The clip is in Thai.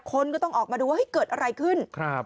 คนก็ต้องออกมาดูว่าเฮ้ยเกิดอะไรขึ้น